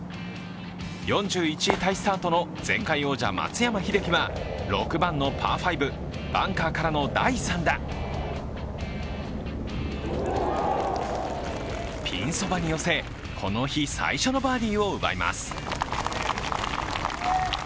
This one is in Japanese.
４１位タイスタートの前回王者・松山英樹は、６番のパー５、バンカーからの第３打。ピンそばに寄せ、この日最初のバーディーを奪います。